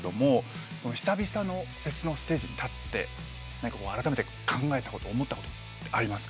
久々のフェスのステージに立ってあらためて考えたこと思ったことありますか？